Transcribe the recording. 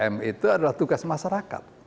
tiga m itu adalah tugas masyarakat